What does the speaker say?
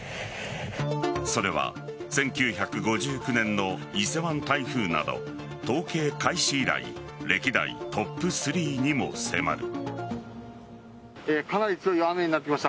それは１９５９年の伊勢湾台風など統計開始以来歴代トップ３にも迫る。